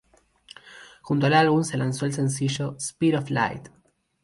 Junto al álbum se lanzó el sencillo "Speed of Light".